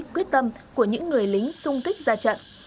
quyết tâm của những người lính xung kích ra trận